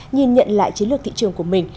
nhìn nhận lại chiến lược thị trường của mình